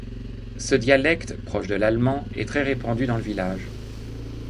Ce dialecte, proche de l'allemand, est très répandu dans le village.